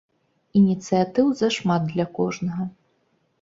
Ініцыятыў зашмат для кожнага.